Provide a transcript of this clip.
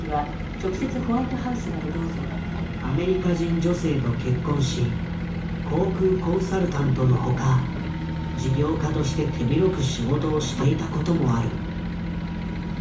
アメリカ人女性と結婚し航空コンサルタントの他事業家として手広く仕事をしていたこともある。